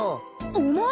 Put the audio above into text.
お前。